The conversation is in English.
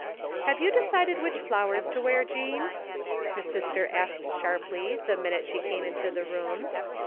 " Have you decided which flowers to wear, Jean? " her sister asked sharply the minute she came into the room.